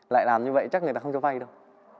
lại làm như vậy chắc người ta không cho vay đâu